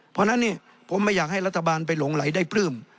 เพราะฉะนั้นเนี่ยผมไม่อยากให้รัฐบาลไปหลงไหลได้ปลื้ม